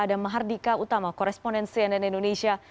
ada mahardika utama koresponen cnn indonesia